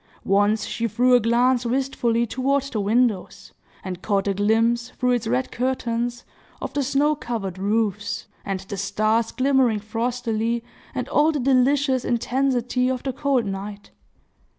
Once, she threw a glance wistfully toward the windows, and caught a glimpse, through its red curtains, of the snow covered roofs, and the stars glimmering frostily, and all the delicious intensity of the cold night.